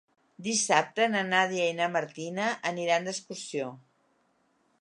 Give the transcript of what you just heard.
Dissabte na Nàdia i na Martina aniran d'excursió.